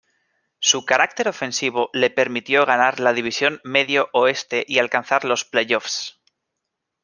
Su carácter ofensivo le permitió ganar la División Medio Oeste y alcanzar los playoffs.